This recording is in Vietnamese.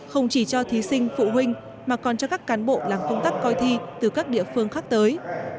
không chỉ cho thí sinh phụ huynh mà còn cho các cán bộ làm công tác coi thi từ các địa phương khác tới